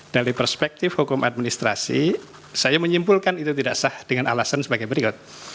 dari perspektif hukum administrasi saya menyimpulkan itu tidak sah dengan alasan sebagai berikut